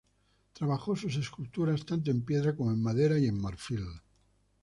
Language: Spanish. Trabajó sus esculturas tanto en piedra como en madera y en marfil.